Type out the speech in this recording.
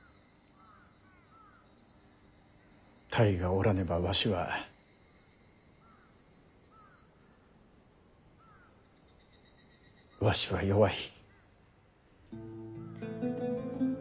泰がおらねばわしはわしは弱い。